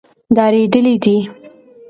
ډارېدلي دي.